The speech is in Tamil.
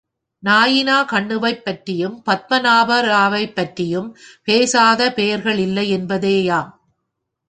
நாயினா கண்ணுவைப் பற்றியும் பத்மநாபராவைப் பற்றியும் பேசாத பெயர்களில்லை என்பதேயாம்.